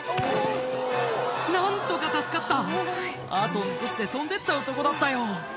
何とか助かったあと少しで飛んでっちゃうとこだったよ